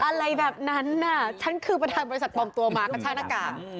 อะไรแบบนั้นน่ะฉันคือประธานบริษัทปลอมตัวมากระชากหน้ากาก